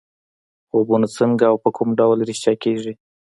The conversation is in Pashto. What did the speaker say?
خوبونه څنګه او په کوم ډول رښتیا کېږي.